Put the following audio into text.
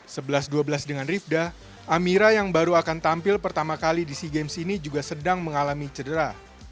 sebelas dua belas dengan rifda amira yang baru akan tampil pertama kali di sea games ini juga sedang mengalami cedera